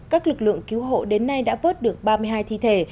các lực lượng cứu hộ đến nay đã vớt được ba mươi hai thi thể